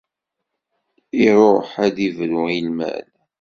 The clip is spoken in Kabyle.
Iruḥ ad d-ibru i lmal.